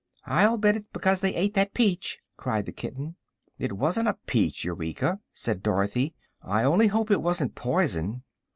"I'll bet it's because they ate that peach!" cried the kitten. "It wasn't a peach, Eureka," said Dorothy. "I only hope it wasn't poison."